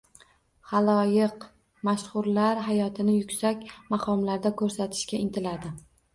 Xaloyiq mashhurlar hayotini yuksak maqomlarda koʻrsatishga intiladi